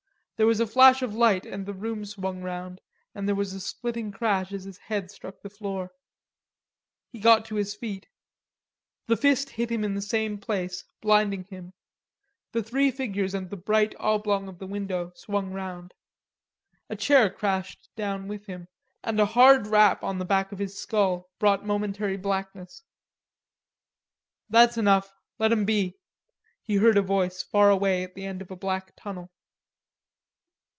There was a flash of light and the room swung round, and there was a splitting crash as his head struck the floor. He got to his feet. The fist hit him in the same place, blinding him, the three figures and the bright oblong of the window swung round. A chair crashed down with him, and a hard rap in the back of his skull brought momentary blackness. "That's enough, let him be," he heard a voice far away at the end of a black tunnel.